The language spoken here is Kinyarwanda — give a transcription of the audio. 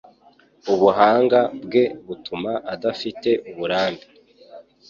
Ubuhanga bwe butuma adafite uburambe.